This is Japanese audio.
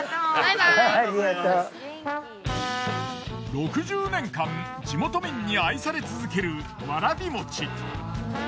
６０年間地元民に愛され続けるわらびもち。